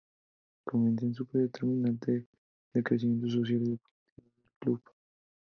Comienza un período determinante de crecimiento social y deportivo del club.